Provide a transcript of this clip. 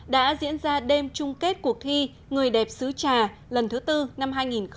đã diễn ra đêm chung kết cuộc thi người đẹp sứ trà lần thứ tư năm hai nghìn một mươi bảy